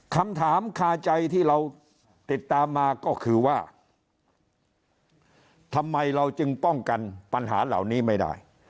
คำถามคาใจที่เราติดตามมาก็คือว่าทำไมเราจึงป้องกันปัญหาเหล่านี้ไม่ได้